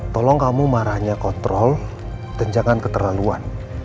tolong kamu marahnya kontrol dan jangan keterlaluan